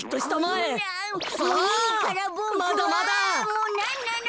もうなんなの！？